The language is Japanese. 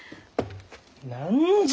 何じゃ！？